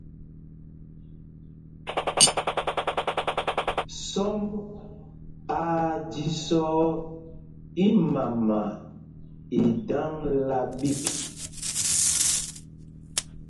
Sɔmb aa jīsɔ̄ɔ̄ ímama í daŋla ɓîk.